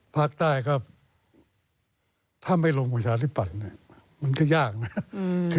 ภาคใต้ก็ถ้าไม่ลงกุญชาธิปัตย์มันก็ยาก